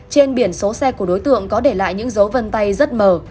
trên biển số xe của đối tượng có để lại những dấu vân tay rất mờ